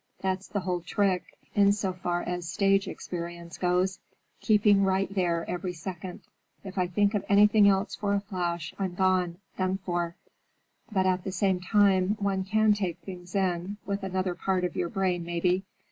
That's the whole trick, in so far as stage experience goes; keeping right there every second. If I think of anything else for a flash, I'm gone, done for. But at the same time, one can take things in—with another part of your brain, maybe.